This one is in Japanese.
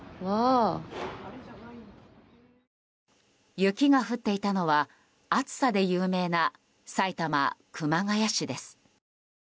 雪が降っていたのは暑さで有名な埼玉・熊谷市です。